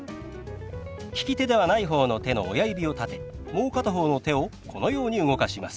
利き手ではない方の手の親指を立てもう片方の手をこのように動かします。